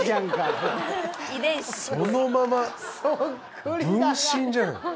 そのまま。